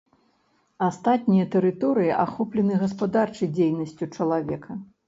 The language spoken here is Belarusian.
Астатнія тэрыторыі ахоплены гаспадарчай дзейнасцю чалавека.